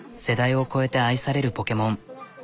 世代を超えて愛されるポケモン。